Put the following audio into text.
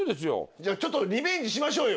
じゃあちょっとリベンジしましょうよ！